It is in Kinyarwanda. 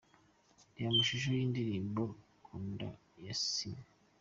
Reba amashusho y'indirimbo Nkunda ya Ciney.